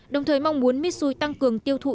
đồng thời mong muốn mitsui tăng cường tiêu thụ